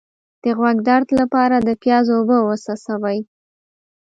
د غوږ درد لپاره د پیاز اوبه وڅڅوئ